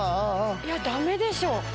いや駄目でしょ。